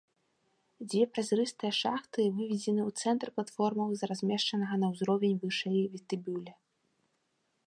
Дзве празрыстыя шахты выведзены ў цэнтр платформаў з размешчанага на ўзровень вышэй вестыбюля.